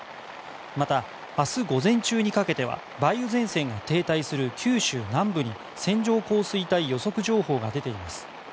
また、明日午前中にかけては梅雨前線が停滞する九州南部に線状降水帯予測情報が出ています。